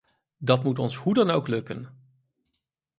Dat moet ons hoe dan ook lukken.